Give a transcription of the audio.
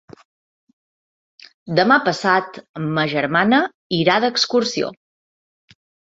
Demà passat ma germana irà d'excursió.